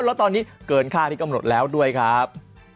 แล้วตอนนี้เกินค่าที่กำหนดแล้วด้วยครับ